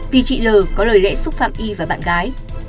vì chị l có lời lẽ xúc phạm y và bạn gái